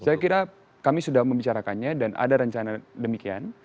saya kira kami sudah membicarakannya dan ada rencana demikian